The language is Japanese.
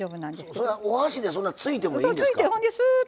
それはお箸でそんな突いてもいいんですか。